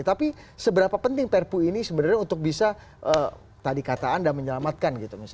tapi seberapa penting perpu ini sebenarnya untuk bisa tadi kata anda menyelamatkan gitu